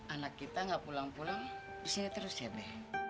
anak kita nggak pulang pulang di sini terus ya deh